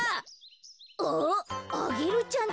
あアゲルちゃん